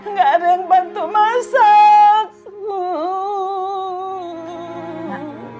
nggak ada yang bantu masak